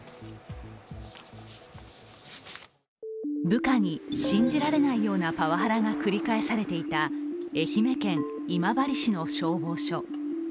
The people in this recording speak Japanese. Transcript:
部下に信じられないようなパワハラが繰り返されていた愛媛県今治市の消防署。